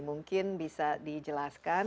mungkin bisa dijelaskan